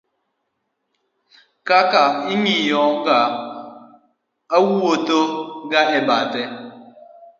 ka ka ong'iyo ga owuodho ga e bathe